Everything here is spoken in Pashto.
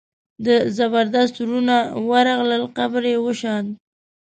د زبردست وروڼه ورغلل قبر یې وشان.